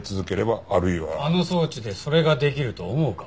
あの装置でそれができると思うか？